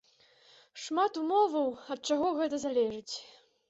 Шмат умоваў, ад чаго гэта залежыць.